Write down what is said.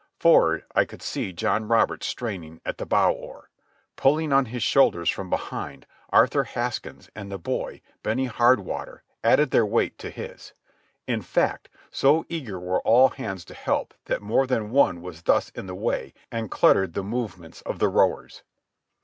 For'ard, I could see John Roberts straining at the bow oar. Pulling on his shoulders from behind, Arthur Haskins and the boy, Benny Hardwater, added their weight to his. In fact, so eager were all hands to help that more than one was thus in the way and cluttered the movements of the rowers.